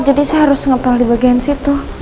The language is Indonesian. jadi saya harus ngepel di bagian situ